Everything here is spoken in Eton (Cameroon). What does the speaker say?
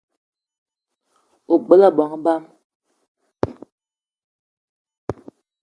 Ogbela bongo bang ?